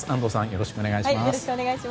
よろしくお願いします。